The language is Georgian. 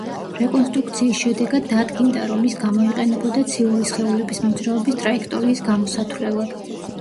რეკონსტრუქციის შედეგად დადგინდა, რომ ის გამოიყენებოდა ციური სხეულების მოძრაობის ტრაექტორიის გამოსათვლელად.